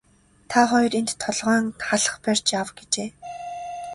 Та хоёр энд толгойн халх барьж ав гэжээ.